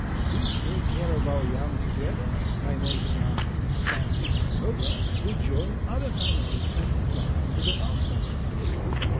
We take care of our young together, my mate and I, and in October we join other families and fly to the uplands."